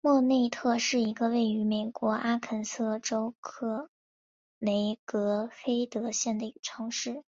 莫内特是一个位于美国阿肯色州克雷格黑德县的城市。